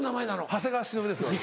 長谷川忍です私。